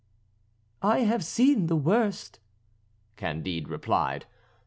"I have seen the worst," Candide replied.